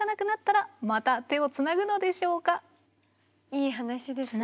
いい話ですね。